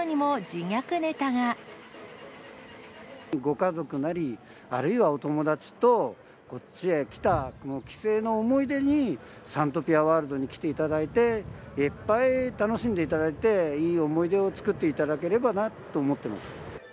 ご家族なり、あるいはお友達と、こっちへ来た帰省の思い出に、サントピアワールドに来ていただいて、いっぱい楽しんでいただいて、いい思い出を作っていただければなと思ってます。